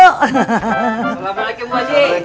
assalamualaikum pak haji